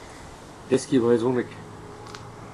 deskiñ brezhoneg.